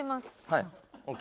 はい。